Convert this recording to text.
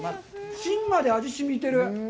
芯まで味しみてる。